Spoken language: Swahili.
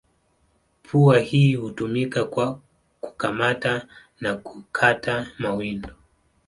Pua hii hutumika kwa kukamata na kukata mawindo.